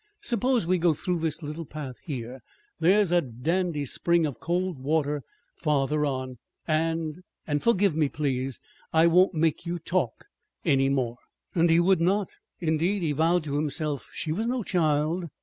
Suppose we go through this little path here. There's a dandy spring of cold water farther on. And and forgive me, please. I won't make you talk any more." And he would not, indeed, he vowed to himself. She was no child.